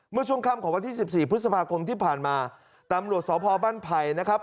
เมื่อช่วงค่ำของวันที่สิบสี่พฤษภาคมที่ผ่านมาตำรวจสพบ้านไผ่นะครับ